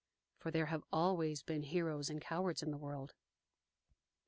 For there have always been heroes and cowards in the world.